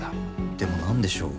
でも何でしょう？